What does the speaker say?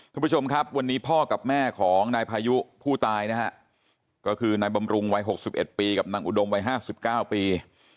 คุณผู้ชมครับวันนี้พ่อกับแม่ของนายพายุผู้ตายนะฮะก็คือนายบำรุงวัย๖๑ปีกับนางอุดมวัย๕๙ปี